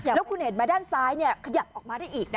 แล้วคุณเห็นไหมด้านซ้ายขยับออกมาได้อีกนะ